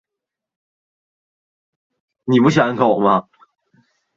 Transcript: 维希政府派遣让德句担任法属印度支那总督。